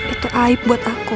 itu aib buat aku